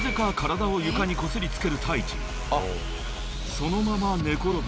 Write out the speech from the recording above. ［そのまま寝転び